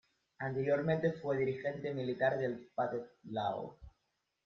Anteriormente fue dirigente militar del Pathet Lao.